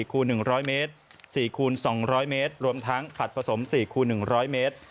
คูณ๑๐๐เมตร๔คูณ๒๐๐เมตรรวมทั้งผัดผสม๔คูณ๑๐๐เมตร